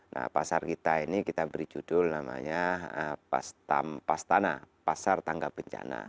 nah pasar kita ini kita beri judul namanya pastana pasar tangga bencana